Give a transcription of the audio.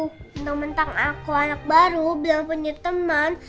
mentang mentang aku anak baru bilang punya teman